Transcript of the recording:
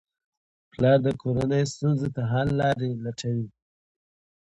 پلار د کورنۍ ستونزو ته حل لارې لټوي.